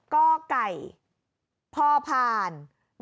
ก็ไก่พ่อพาน๑๑๗๗